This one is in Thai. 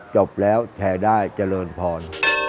จบแล้วแชร์ได้เจริญพร